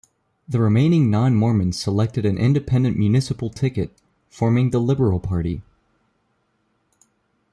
The remaining non-Mormons selected an independent municipal ticket, forming the Liberal Party.